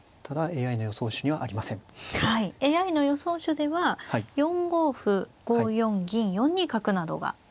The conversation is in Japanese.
ＡＩの予想手では４五歩５四銀４二角などが。